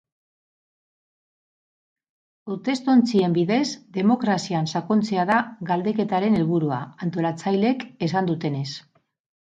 Hautestontzien bidez, demokrazian sakontzea da galdeketaren helburua, antolatzaileek esan dutenez.